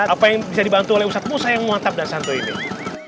apa yang bisa dibantu oleh ustadz musa yang memantap dan santu ini